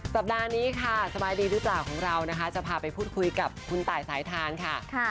สัปดาห์นี้ค่ะสบายดีหรือเปล่าของเรานะคะจะพาไปพูดคุยกับคุณตายสายทานค่ะ